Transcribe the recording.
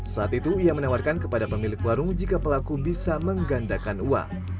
saat itu ia menawarkan kepada pemilik warung jika pelaku bisa menggandakan uang